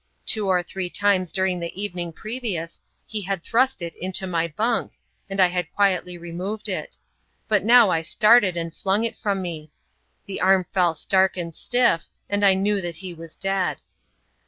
Two or three times during the evening previous, he had thrust it into my bunk, and I had quietly removed it ; but now I started and flung it from me. The arm fell stark and stiff, and I knew that he was dead.